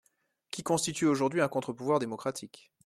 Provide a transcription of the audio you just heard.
…qui constitue aujourd’hui un contre-pouvoir démocratique.